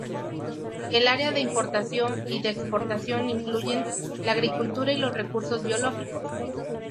El área de importación y de exportación incluyen, la agricultura y los recursos biológicos.